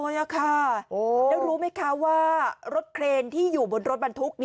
แล้วรู้ไหมคะว่ารถเครนที่อยู่บนรถบรรทุก